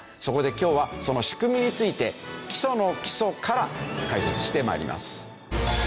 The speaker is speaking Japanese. そこで今日はその仕組みについて基礎の基礎から解説して参ります。